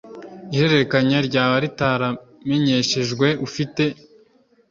ihererekanya ryaba ritaramenyeshejwe ufite